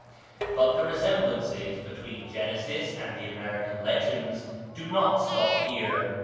But the resemblances between Genesis and the American legends do not stop here.